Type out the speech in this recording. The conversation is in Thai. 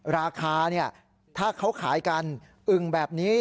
ราคาถ้าเขาขายกันอึ่งแบบนี้